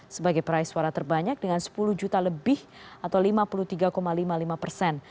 sebagai peraih suara terbanyak dengan sepuluh juta lebih atau lima puluh tiga lima puluh lima persen